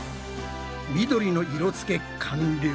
緑の色つけ完了！